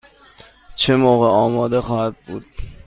چه موقع آماده خواهد بود؟